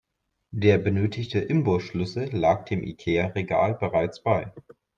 Der benötigte Imbusschlüssel lag dem Ikea-Regal bereits bei.